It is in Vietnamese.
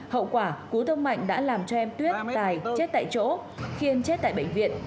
hậu quả cú thông mạnh đã làm cho em tuyết tài chết tại chỗ khiên chết tại bệnh viện